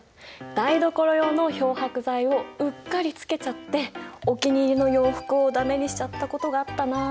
台所用の漂白剤をうっかりつけちゃってお気に入りの洋服を駄目にしちゃったことがあったなあ。